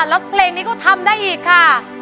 แล้วเพลงนี้ก็ทำได้อีกค่ะ